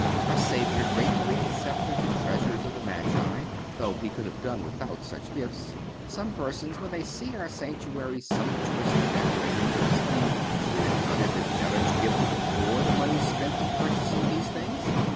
Our Savior gratefully accepted the treasures of the Magi, though he could have done without such gifts. Some persons, when they see our sanctuary sumptuously decorated, will exclaim: Would it not have been better to give to the poor the money spent in purchasing these things?